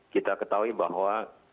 kita ketahui bahwa